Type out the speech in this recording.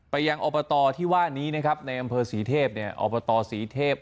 ไปยังอบรตอที่ว่านี้นะครับในอำเภอสีเทพเนี้ยอบรตอสีเทพ